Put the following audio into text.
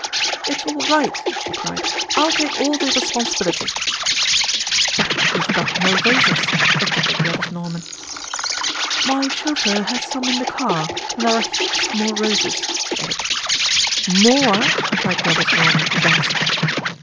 "It's all right," she cried, "I'll take all the responsibility." "But we've got no vases," objected Gladys Norman. "My chauffeur has some in the car, and there are heaps more roses," she added. "More?" cried Gladys Norman aghast.